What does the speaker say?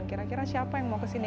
kira kira siapa yang mau ke sini